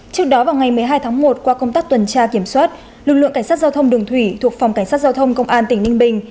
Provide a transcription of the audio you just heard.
trước đó vào ngày một mươi hai tháng một qua công tác tuần tra kiểm soát lực lượng cảnh sát giao thông đường thủy thuộc phòng cảnh sát giao thông công an tỉnh ninh bình